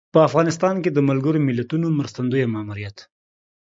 په افغانستان کې د ملګر ملتونو مرستندویه ماموریت